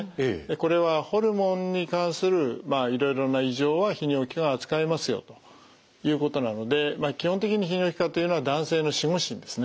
これはホルモンに関するいろいろな異常は泌尿器科が扱いますよということなので基本的に泌尿器科というのは男性の守護神ですね。